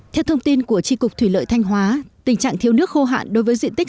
theo thông tin của tri cục thủy lợi thanh hóa tình trạng thiếu nước khô hạn đối với diện tích